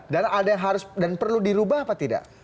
dan ada yang harus dan perlu dirubah apa tidak